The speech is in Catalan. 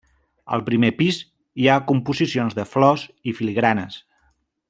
Al primer pis hi ha composicions de flors i filigranes.